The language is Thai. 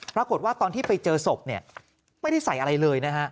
ปรากฏว่าตอนที่ไปเจอศพเนี่ยไม่ได้ใส่อะไรเลยนะฮะ